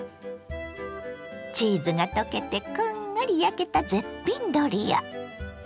チーズが溶けてこんがり焼けた絶品ドリア。